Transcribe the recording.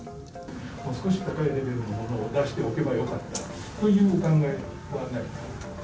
もう少し高いレベルのものを出しておけばよかったというお考えはないですか？